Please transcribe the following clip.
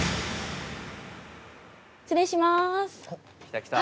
失礼します！